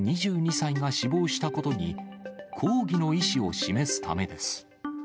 ２２歳が死亡したことに、抗議の意思を示すためです。